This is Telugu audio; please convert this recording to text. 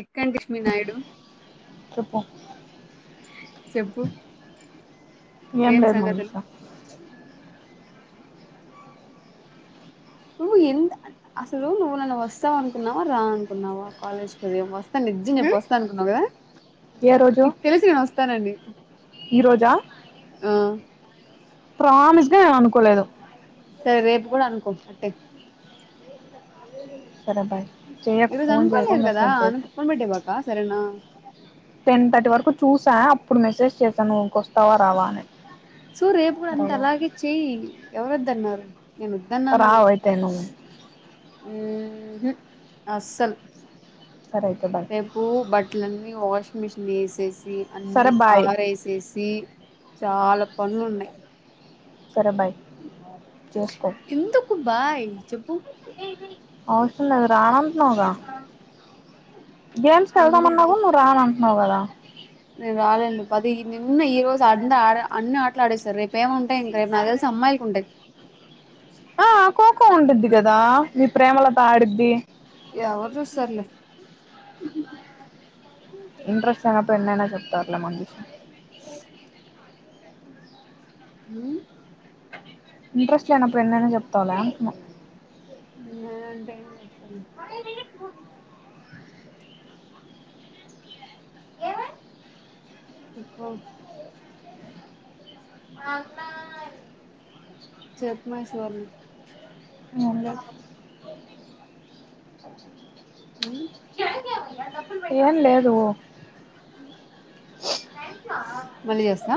ఎక్కండిష్మి నాయుడు చెప్పు చెప్పుు నింలడు మందుసా నువ్వు ఎంత అసలు నువ్వు నన్ను వస్తావ అనుకున్నావా రా అనుకున్నావా కాలేజ్కిదయం వస్తా నిజజం చెప్పి వస్తా అనుకున్నావు కదా ఏ రోజు నీకు తెలిసు నను వస్తానండి ఈ ఆ ప్రమిష్గా నేను అనుకోలేదు కో అట్టే క బాయ్ చేయకు ఈరోజు ఫోన్ చేయకు అనుకోవాలలేదు కదా మెసేజ్ అను చేయకు పన్బట్టే బకా సరేనా టెన్ థర్టీ వరకు చూసా అప్పుడు మెసేజ్ చేసాను నువ్వుక వస్తావా రావా అని సో రేపు కూడా అంత రావు అలాగే చెయ ఎవరుద్ద అన్నారు నేను ఇద్దన్నానా రావు అయితే నువ్వు అసలు సరే అయితే బాయ్ రేపు బట్టలన్న వాషింగ్ మిషిన్ వేసేస్ సరే అన్ని బాయ్ ఆరేసేసి చాలా పనులున్నాయి సరే బాయ్ చేసుకో ఎందుకు బాయ్ ఇది చెప్పు అవసరంలే కద్ రానంట్నవుగా గేమ్స్కి వెళ్దాం ఎందుకు అన్నావు బాయ్ నువ్వు రాను అన్ నావ్ గదా నేను రాలేనులే, పది ఈ నిన్న ఈ రోజు అంద్ ఆడ అన్నీ ఆటలు ఆడేస్సారు రేపు ఏముంటాయి, ఇంక రేపు నాకు తెలిసి అమ్మాయిలుకు ఉంటయ్ ఆ కోకో ఉండుద్ది కదా మీ ప్రేమలత ఆడిద్ది ఎవరు చూస్తారులే ఇంట్రెస్ట్ అనగ అప్పుడైనైనా చెప్తారులే మంగిస్ హ్మ్ ఇంట్రెస్ట్ ఇట్లే అయినప్పుడు ఎన్నైనా చెప్తావులా అంటున్న ఉండనంటనే చెప్తున్న ఏమే చెప్పు అన్న మ్మ్ చెప్పుమేశ్వర్న్ నమ్లేక్ మ్మ్ ఏంజేయాల్ ఇయాల్టప్ ఏం లేదు మలియాసా